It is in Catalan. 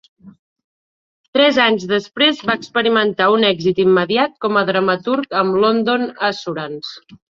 Tres anys després, va experimentar un èxit immediat com a dramaturg amb "London Assurance".